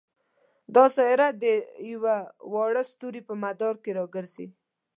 دا سیاره د یوه واړه ستوري په مدار کې را ګرځي.